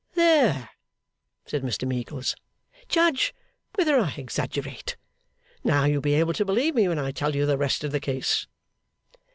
'There!' said Mr Meagles. 'Judge whether I exaggerate. Now you'll be able to believe me when I tell you the rest of the case.